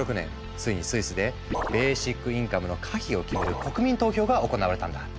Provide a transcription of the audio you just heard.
ついにスイスでベーシックインカムの可否を決める国民投票が行われたんだ。